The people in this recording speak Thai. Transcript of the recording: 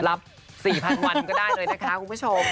รับ๔๐๐๐วันก็ได้เลยนะคะคุณผู้ชม